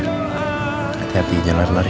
hati hati jangan lari lari